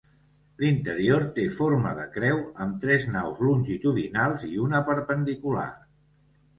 L'interior té forma de creu, amb tres naus longitudinals i una perpendicular.